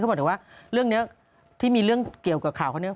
บอกแต่ว่าเรื่องนี้ที่มีเรื่องเกี่ยวกับข่าวเขาเนี่ย